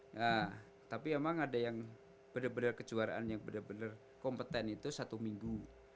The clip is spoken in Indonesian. nah tapi emang ada yang bener bener kejuaraan yang bener bener kompeten itu satu minggu